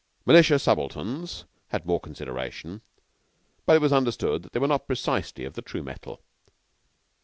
Militia subalterns had more consideration, but it was understood they were not precisely of the true metal.